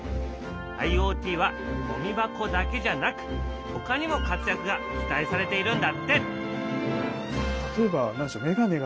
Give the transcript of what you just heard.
ＩｏＴはゴミ箱だけじゃなくほかにも活躍が期待されているんだって！